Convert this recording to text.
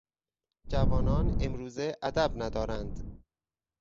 جوانان امروزه ادب ندارند.